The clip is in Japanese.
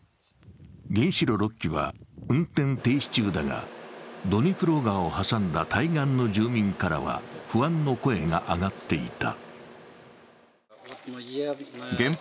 原子炉６基は運転停止中だが、ドニプロ川を挟んだ対岸の住民からは不安の声が上がっていた。